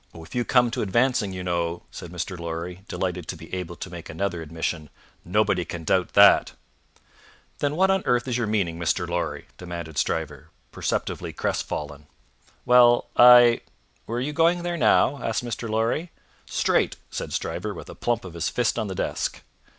"If you come to advancing you know," said Mr. Lorry, delighted to be able to make another admission, "nobody can doubt that." "Then what on earth is your meaning, Mr. Lorry?" demanded Stryver, perceptibly crestfallen. "Well! I Were you going there now?" asked Mr. Lorry. "Straight!" said Stryver, with a plump of his fist on the desk.